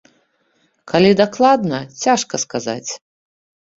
Калі дакладна, цяжка сказаць.